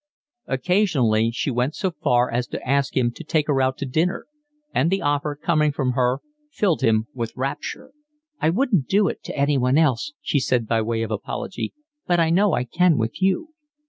Occasionally she went so far as to ask him to take her out to dinner, and the offer, coming from her, filled him with rapture. "I wouldn't do it to anyone else," she said, by way of apology. "But I know I can with you."